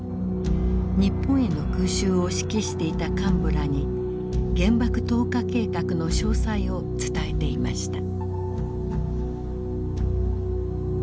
日本への空襲を指揮していた幹部らに原爆投下計画の詳細を伝えていました。